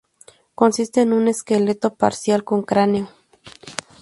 Consiste en un esqueleto parcial con cráneo.